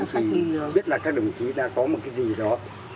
hay biết là các đồng chí đã có một cái gì đó